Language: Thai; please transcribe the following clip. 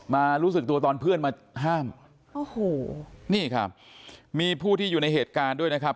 รู้สึกตัวตอนเพื่อนมาห้ามโอ้โหนี่ครับมีผู้ที่อยู่ในเหตุการณ์ด้วยนะครับ